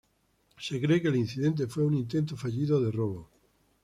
Se cree que el incidente fue un intento fallido de robo.